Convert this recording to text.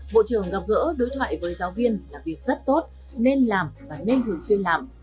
bộ trưởng gặp gỡ đối thoại với giáo viên là việc rất tốt nên làm và nên thường xuyên làm